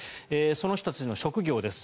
その人たちの職業です。